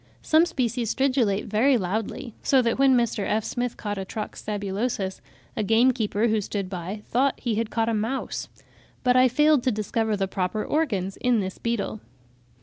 Some species stridulate very loudly, so that when Mr. F. Smith caught a Trox sabulosus, a gamekeeper, who stood by, thought he had caught a mouse; but I failed to discover the proper organs in this beetle.